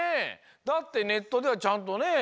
だってネットではちゃんとね。